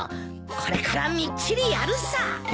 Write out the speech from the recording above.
これからみっちりやるさ。